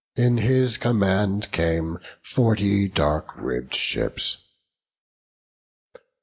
In his command came forty dark ribb'd ships.